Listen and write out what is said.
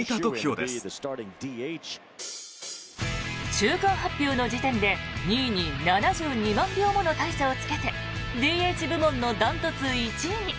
中間発表の時点で２位に７２万票もの大差をつけてＤＨ部門の断トツ１位に。